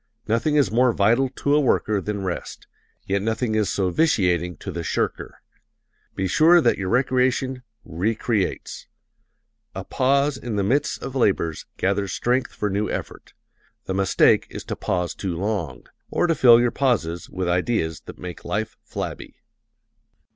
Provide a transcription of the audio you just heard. Nothing is more vital to a worker than rest yet nothing is so vitiating to the shirker. Be sure that your recreation re creates. A pause in the midst of labors gathers strength for new effort. The mistake is to pause too long, or to fill your pauses with ideas that make life flabby.